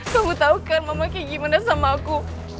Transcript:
kamu tau kan mama kayak gimana sama aku